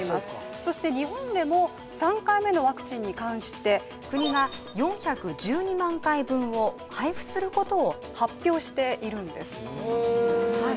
そして日本でも３回目のワクチンに関して国が４１２万回分を配布することを発表しているんですはい